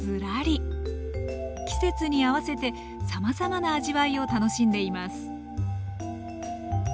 季節に合わせてさまざまな味わいを楽しんでいます